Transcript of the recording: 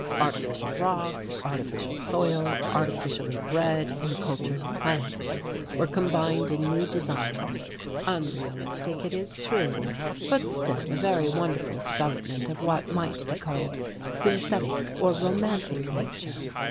Artificial rocks, artificial soil, artificially bred and cultured plants, were combined in new designs, unrealistic it is true, but still a very wonderful development of what might be called synthetic or romantic nature.